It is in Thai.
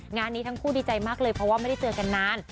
งานนี้ทั้งคู่ดีใจมากเลยเพราะว่าไม่ได้เจอกันนาน